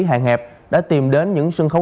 hạng hẹp đã tìm đến những sân khấu